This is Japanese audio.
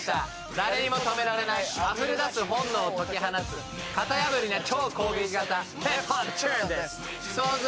誰にも止められないあふれ出す本能を解き放つ型破りな超攻撃型ＨＩＰＨＯＰチューンですＳｉｘＴＯＮＥＳ